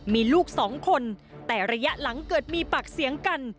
มีลูกสองคนแต่ระยะหลังเกิดมีปากเสียงกัน